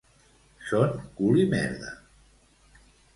Són cul i merda